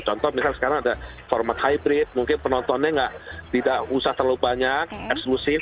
contoh misalnya sekarang ada format hybrid mungkin penontonnya tidak usah terlalu banyak eksklusif